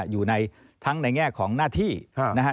อยู่ในทั้งในแง่ของหน้าที่นะครับ